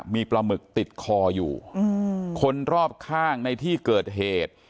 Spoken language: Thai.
มีปลาหมึกติดคออยู่คนรอบข้างในที่เกิดเหตุ